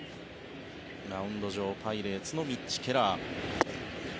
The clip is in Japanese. マウンド上パイレーツのミッチ・ケラー。